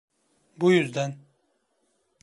Bu yüzden...